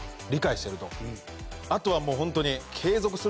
あとはもうホントに。